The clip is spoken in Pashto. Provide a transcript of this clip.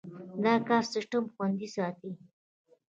دا کار سیستم خوندي ساتي.